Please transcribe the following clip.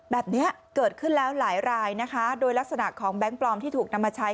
แบบนี้เกิดขึ้นแล้วหลายรายนะคะโดยลักษณะของแบงค์ปลอมที่ถูกนำมาใช้